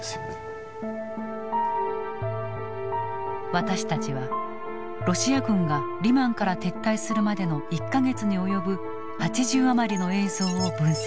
私たちはロシア軍がリマンから撤退するまでの１か月に及ぶ８０余りの映像を分析。